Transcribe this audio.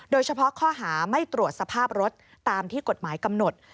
โดยเฉพาะข้อหาไม่ตรวจสภาพรถตามที่กฎหมายกำหนด